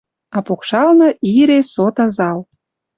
А покшалны ире, соты зал.